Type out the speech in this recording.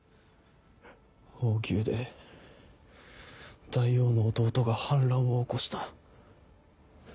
王宮で大王の弟が反乱を起こした。